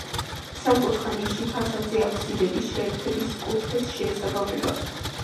სამკუთხა ნიში ფასადზე აფსიდების შეერთების კუთხეს შეესაბამება.